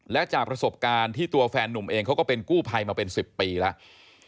และจากประสบการณ์ที่ตัวแฟนนุ่มเองเขาก็เป็นกู้ภัยมาเป็น๑๐ปีแล้ว